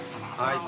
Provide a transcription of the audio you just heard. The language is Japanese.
はい。